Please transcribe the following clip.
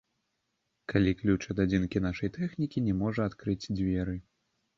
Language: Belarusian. Калі ключ ад адзінкі нашай тэхнікі не можа адкрыць дзверы.